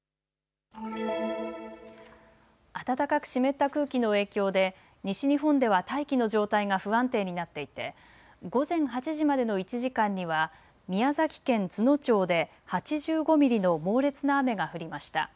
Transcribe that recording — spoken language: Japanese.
暖かく湿った空気の影響で西日本では大気の状態が不安定になっていて午前８時までの１時間には宮崎県都農町で８５ミリの猛烈な雨が降りました。